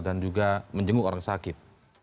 dan juga menjenguk orang sakit